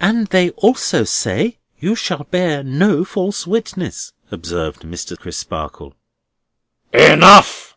"And they also say, you shall bear no false witness," observed Mr. Crisparkle. "Enough!"